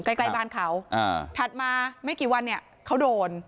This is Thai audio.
ใกล้ใกล้บ้านเขาถัดมาไม่กี่วันเนี่ยเขาโดน